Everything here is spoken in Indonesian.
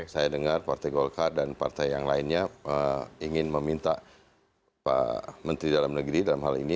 saya dengar partai golkar dan partai yang lainnya ingin meminta pak menteri dalam negeri dalam hal ini